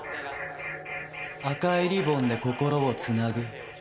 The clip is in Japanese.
「赤いリボンで心を繋ぐ」。